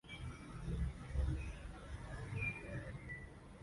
Kwa mfano, Katibu Mkuu wa Umoja wa Mataifa.